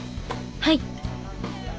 はい。